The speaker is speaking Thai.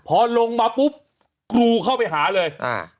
พอลงมาปุ๊บกรูเข้าไปหาเลยอ่า